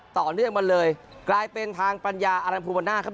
ต่อเนื่องมาเลยกลายเป็นทางปัญญาอารัมพูบาน่าครับ